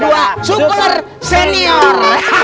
dua super senior